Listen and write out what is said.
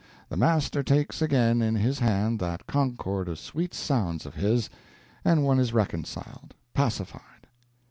The master takes again in his hand that concord of sweet sounds of his, and one is reconciled, pacified.